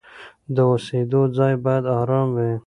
د اوسېدو ځای باید آرام وي.